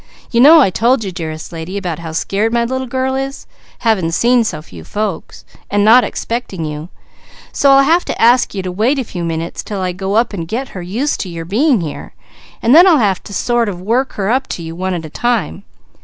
"You know I told you dearest lady, about how scared my little girl is, having seen so few folks and not expecting you; so I'll have to ask you to wait a few minutes 'til I go up and get her used to your being here and then I'll have to sort of work her up to you one at a time.